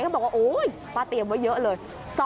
ก็บอกว่าโอ๊ยป้าเตรียมไว้เยอะเลย